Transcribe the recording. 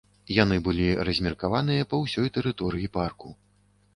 Яны былі размеркаваныя па ўсёй тэрыторыі парку.